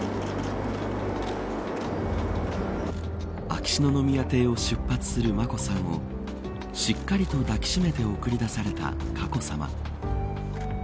秋篠宮邸を出発する眞子さんをしっかりと抱き締めて送り出された佳子さま。